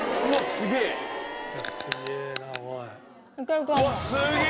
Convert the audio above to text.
すげえな！